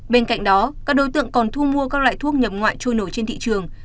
bên cạnh đó các đối tượng còn thu mua các loại thuốc nhập ngoại trôi nổi trên thị trường